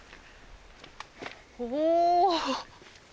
お！